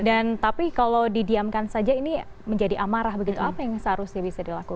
dan tapi kalau didiamkan saja ini menjadi amarah begitu apa yang seharusnya bisa dilakukan